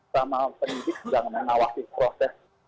sama pendidik sedang menawarkan proses